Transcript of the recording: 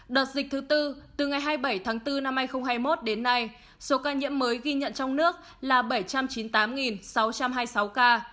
đợt dịch thứ tư từ ngày hai mươi bảy tháng bốn năm hai nghìn hai mươi một đến nay số ca nhiễm mới ghi nhận trong nước là bảy trăm chín mươi tám sáu trăm hai mươi sáu ca